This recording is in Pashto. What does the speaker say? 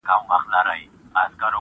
• هره ورځ یې له دباغ سره دعوه وه -